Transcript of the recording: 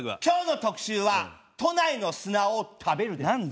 今日の特集は「都内の砂を食べる」です。